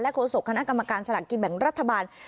โฆษกคณะกรรมการสลักกินแบ่งรัฐบาล